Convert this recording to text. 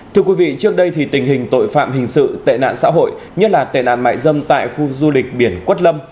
thưa quý vị trước đây thì tình hình tội phạm hình sự tệ nạn xã hội nhất là tệ nạn mại dâm tại khu du lịch biển quất lâm